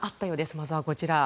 まずはこちら。